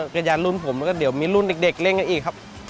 กระยานรุ่นผมแล้วก็เดี๋ยวมีรุ่นเด็กเล่นกันอีกครับ